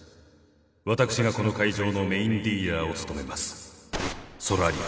私がこの会場のメーンディーラーを務めますソラリオです。